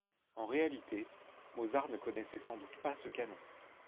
En réalité, Mozart ne connaissait sans doute pas ce canon.